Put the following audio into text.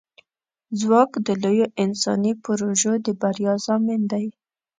ځواک د لویو انساني پروژو د بریا ضامن دی.